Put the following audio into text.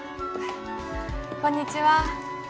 こんにちは。